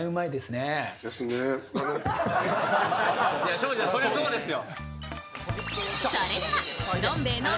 庄司さん、そりゃそうですよ。